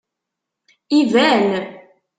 Iban.